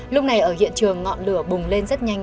lúc này ở hiện trường ngọn lửa bùng lên rất nhanh